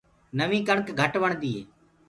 نوينٚ ڪڻڪ گھٽ وڻدي هي۔